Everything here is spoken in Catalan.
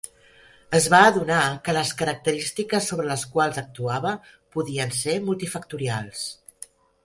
Es va adonar que les característiques sobre les quals actuava podien ser multifactorials.